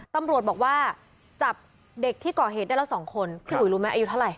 ตำรวจบอกว่าจับเด็กที่ก่อเหตุได้แล้ว๒คนพี่อุ๋ยรู้ไหมอายุเท่าไห